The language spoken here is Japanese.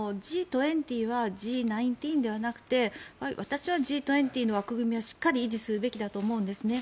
Ｇ２０はＧ１９ではなくて私はＧ２０の枠組みはしっかり維持すべきだと思うんですね。